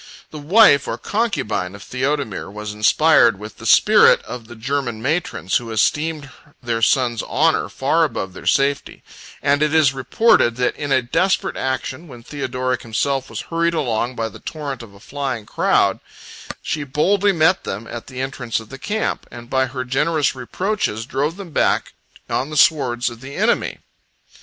The wife or concubine of Theodemir was inspired with the spirit of the German matrons, who esteemed their sons' honor far above their safety; and it is reported, that in a desperate action, when Theodoric himself was hurried along by the torrent of a flying crowd, she boldly met them at the entrance of the camp, and, by her generous reproaches, drove them back on the swords of the enemy.